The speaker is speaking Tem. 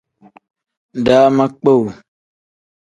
Daama kpowuu.